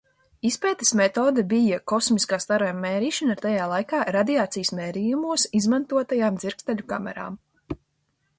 Izpētes medode bija kosmiskā starojuma mērīšana ar tajā laikā radiācijas mērījumos izmantotajām dzirksteļu kamerām.